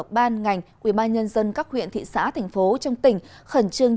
ban ngành ubnd các huyện thị xã thành phố trong tỉnh khẩn trương